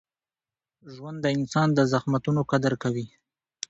ژوند د انسان د زحمتونو قدر کوي.